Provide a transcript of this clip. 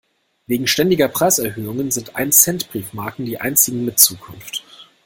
Wegen ständiger Preiserhöhungen sind Ein-Cent-Briefmarken die einzigen mit Zukunft.